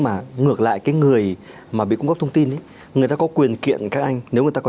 mà ngược lại cái người mà bị cung cấp thông tin ấy người ta có quyền kiện các anh nếu người ta có